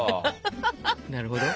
なるほど。